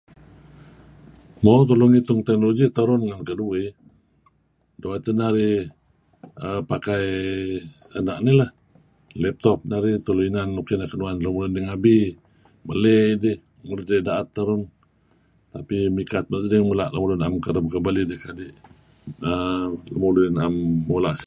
Mo tulu ngitun teknologi terun ken keduih doo' teh narih pakai uhm ena' nih lah, pakai laptop narih tulu inan nuk kinuan lun ngabi maley dih. Enun nah daet terun tah idih mikat naem lun nuk mula kareb kebelih. uhm Lemulun nuk nuk mula usin.